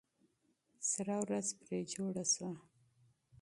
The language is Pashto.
سره ورځ پرې جوړه سوه.